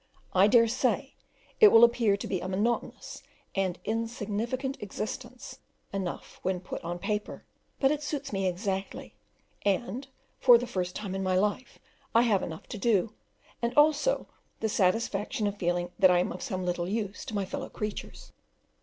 I dare say it: will appear to be a monotonous and insignificant existence enough when put on paper, but it suits me exactly; and, for the first time in my life, I have enough to do, and also the satisfaction of feeling that I am of some little use to my fellow creatures.